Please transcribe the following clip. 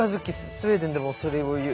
スウェーデンでもそれを言う。